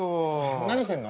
何してるの？